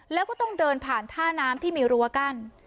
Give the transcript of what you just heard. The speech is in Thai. แล้วก็ต้องเดินผ่านท่าน้ำที่มีรั้วกั้น